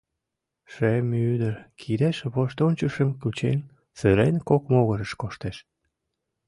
Шемӱдыр, кидеш воштончышым кучен, сырен, кок могырыш коштеш.